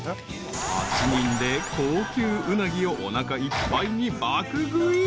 ［８人で高級うなぎをおなかいっぱいに爆食い］